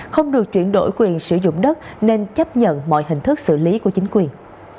không được chuyển đổi quyền sử dụng đất nên chấp nhận mọi hình thức xử lý của chính quyền